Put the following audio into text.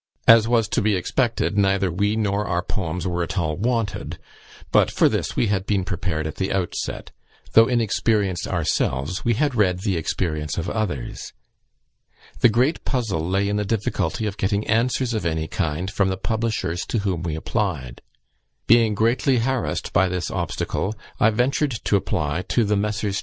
As was to be expected, neither we nor our poems were at all wanted; but for this we had been prepared at the outset; though inexperienced ourselves, we had read the experience of others. The great puzzle lay in the difficulty of getting answers of any kind from the publishers to whom we applied. Being greatly harassed by this obstacle, I ventured to apply to the Messrs.